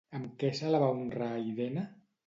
Amb què se la va honrar a Irene?